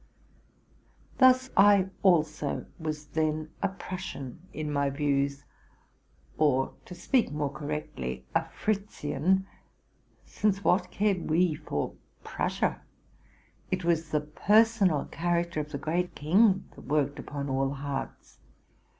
Thus I also was then a Prussian in my views, or, to speak more correctly, a Fritzian ; since what cared we for Prussia? It was the personal character of the great king that worked upon all hearts.